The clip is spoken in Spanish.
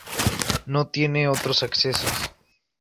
No tiene otros accesos.